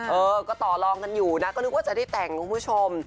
เออก็ต่อลองกันอยู่นะก็นึกว่าจะได้แต่งคุณผู้ชม